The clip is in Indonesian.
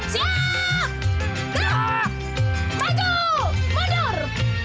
jangan terlalu banyak